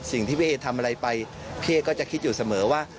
สิ่งที่พี่เอทำอะไรไปพี่เอ๊ก็จะคิดอยู่เสมอว่า